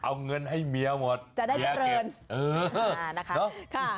เอาเงินให้เมียหมดเก็บ